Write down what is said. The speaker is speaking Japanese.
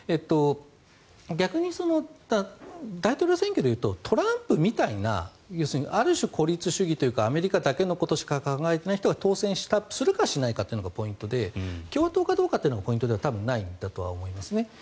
逆に大統領選挙でいうとトランプみたいなある種、孤立主義というかアメリカだけのことしか考えない人が当選するかしないかというのがポイントで共和党かどうかというのはポイントではないと思うんです。